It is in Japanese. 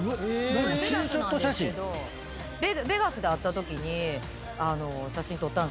ベガスで会ったときに写真撮ったんですけど。